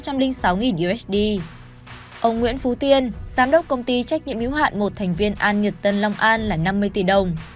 ông nguyễn phú tiên giám đốc công ty trách nhiệm yếu hạn một thành viên an nhật tân long an là năm mươi tỷ đồng